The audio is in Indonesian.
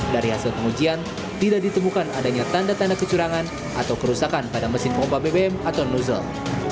dari hasil pengujian tidak ditemukan adanya tanda tanda kecurangan atau kerusakan pada mesin pompa bbm atau nozzle